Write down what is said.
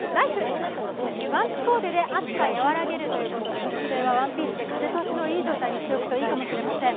ワンピコーデで暑さ和らげるということで女性はワンピースで風通しのよい状態にしておくといいかもしれません。